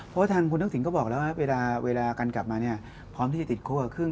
เพราะวัฒนาคมคุณทักศิลป์ก็บอกแล้วเวลากันกลับมาพร้อมที่จะติดคุก